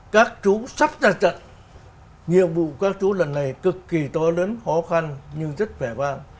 các chú sắp ra trận nhiệm vụ các chú lần này cực kỳ to lớn khó khăn nhưng rất vẻ vang